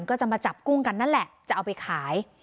ก็จะมาจับกุ้งกันนั่นแหละจะเอาไปขาย